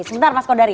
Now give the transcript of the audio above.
sebentar mas kodari